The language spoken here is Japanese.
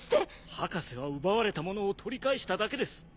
博士は奪われたものを取り返しただけです。